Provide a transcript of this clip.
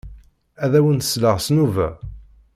Ad awen-sleɣ s nnuba.